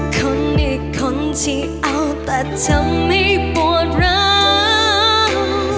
คนนี้คนที่เอาแต่ทำให้ปวดรัก